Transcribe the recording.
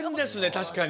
確かに。